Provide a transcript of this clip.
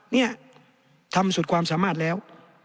เนี่ยทำสุดความสามารถแล้ว